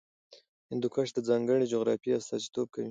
هندوکش د ځانګړې جغرافیې استازیتوب کوي.